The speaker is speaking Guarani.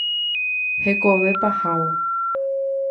Hekove pahávo.